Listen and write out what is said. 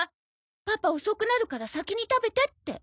パパ遅くなるから先に食べてって。